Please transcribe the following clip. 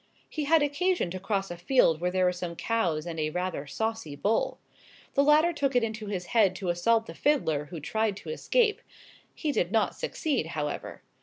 He had occasion to cross a field where there were some cows and a rather saucy bull. The latter took it into his head to assault the fiddler, who tried to escape. He did not succeed, however.